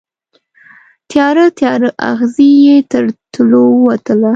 تیاره، تیاره اغزې یې تر تلو ووتله